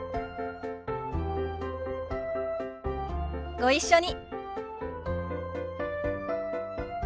ご一緒に。